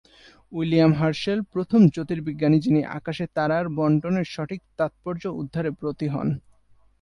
William Herschel প্রথম জ্যোতির্বিজ্ঞানী যিনি আকাশে তারার বণ্টনের সঠিক তাৎপর্য উদ্ধারে ব্রতী হন।